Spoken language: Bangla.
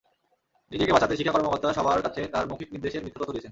নিজেকে বাঁচাতে শিক্ষা কর্মকর্তা সবার কাছে তাঁর মৌখিক নির্দেশের মিথ্যা তথ্য দিয়েছেন।